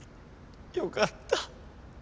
よかった。